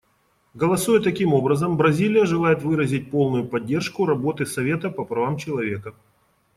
Голосуя таким образом, Бразилия желает выразить полную поддержку работы Совета по правам человека.